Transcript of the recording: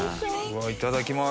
いただきます。